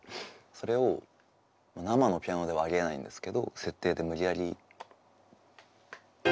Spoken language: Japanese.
それを生のピアノではありえないんですけど設定で無理やり。